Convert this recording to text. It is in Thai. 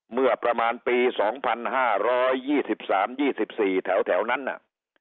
เมื่อประมาณปี๒๕๒๓๒๔แถวนั้นน่ะ